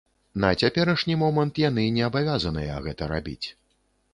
На цяперашні момант яны не абавязаныя гэта рабіць.